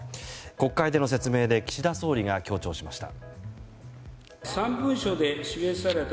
国会での説明で岸田総理が強調しました。